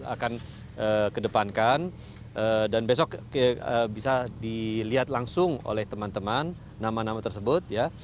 akan kedepankan dan besok bisa dilihat langsung oleh teman teman nama nama tersebut ya